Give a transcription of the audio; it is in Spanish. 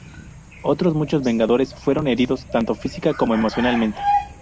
Otros muchos Vengadores fueron heridos, tanto física como emocionalmente.